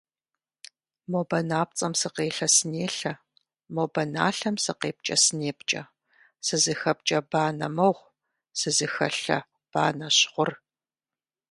Мо банапцӏэм сыкъелъэ-сынелъэ, мо баналъэм сыкъепкӏэ-сынепкӏэ, сызыхэпкӏэ банэ мыгъу, сызыхэлъэ банэщ гъур.